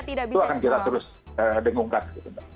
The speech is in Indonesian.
jadi itu akan kita terus demungkan